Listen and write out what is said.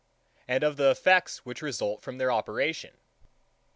and of the effects which result from their operation.